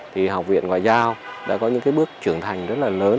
thì học viện ngoại giao đã có những cái bước trưởng thành rất là lớn